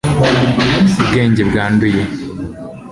ubwenge bwanduye